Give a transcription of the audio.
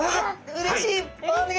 うれしい！